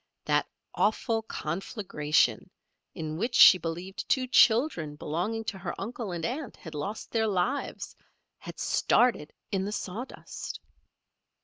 That awful conflagration, in which she believed two children belonging to her uncle and aunt had lost their lives, had started in the sawdust.